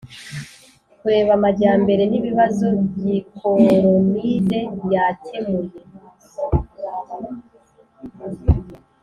- kureba amajyambere n'ibibazo gikolonize yakemuye